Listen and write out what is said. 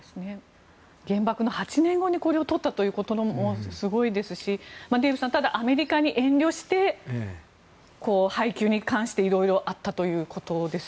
原爆の８年後にこれを撮ったというのもすごいですしデーブさん、ただアメリカに遠慮して配給に関していろいろあったということです。